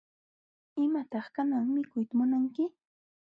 ¿Imataq kanan mikuyta munanki?